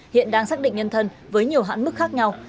hiện đang xác định nhân thân với nhiều hãn mức khác nhau